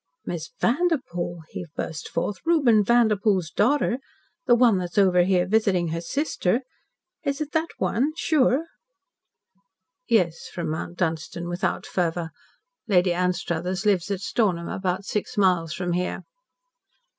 "Miss Vanderpoel," he burst forth, "Reuben Vanderpoel's daughter! The one that's over here visiting her sister. Is it that one sure?" "Yes," from Mount Dunstan without fervour. "Lady Anstruthers lives at Stornham, about six miles from here."